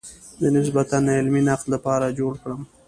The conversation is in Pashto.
د نسبتاً علمي نقد لپاره جوړ کړم.